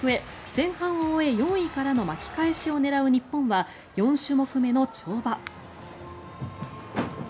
前半を終え４位からの巻き返しを狙う日本は４種目目の跳馬。